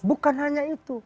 bukan hanya itu